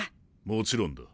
もちろんだ。